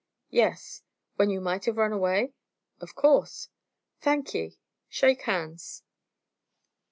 "Yes." "When you might have run away?" "Of course." "Thank ye. Shake hands!"